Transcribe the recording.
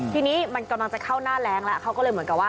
ทีนี้มันกำลังจะเข้าหน้าแรงแล้วเขาก็เลยเหมือนกับว่า